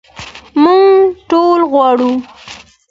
موږ ټول غواړو.